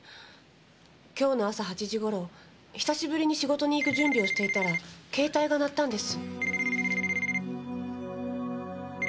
今日の朝８時頃久しぶりに仕事に行く準備をしていたら携帯が鳴ったんです。